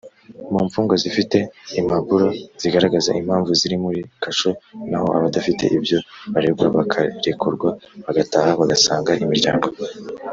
mu mfungwa zifite impapuro zigaragaza impamvu ziri muri kasho naho abadafite ibyo baregwa bakarekurwa bagataha bagasanga imiryango.